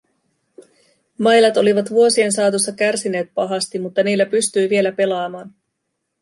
Mailat olivat vuosien saatossa kärsineet pahasti, mutta niillä pystyi vielä pelaamaan.